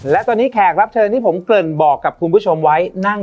และตอนนี้แขกรับเชิญที่ผมเกริ่นบอกกับคุณผู้ชมไว้นั่ง